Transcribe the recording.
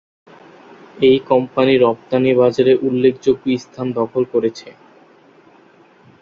এই কোম্পানি রপ্তানি বাজারে উল্লেখযোগ্য স্থান দখল করেছে।